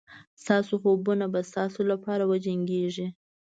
ستاسو خوبونه به ستاسو لپاره وجنګېږي.